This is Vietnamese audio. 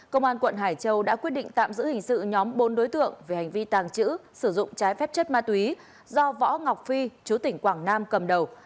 công an quận hải châu đã quyết định tạm giữ hình sự nhóm bốn đối tượng về hành vi tàng trữ sử dụng trái phép chất ma túy do võ ngọc phi chú tỉnh quảng nam cầm đầu